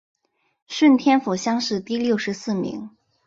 顺天府乡试第六十四名。